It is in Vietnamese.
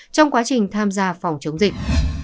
trong quá trình tham gia phòng chống dịch